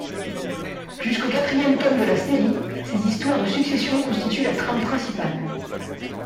Jusqu'au quatrième tome de la série, ces histoires de succession constituent la trame principale.